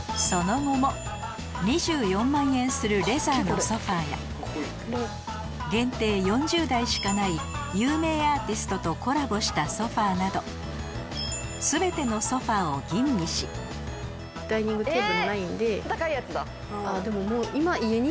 その後も２４万円するレザーのソファや限定４０台しかない有名アーティストとコラボしたソファなど全てのソファを吟味しこれ座ってる感じが。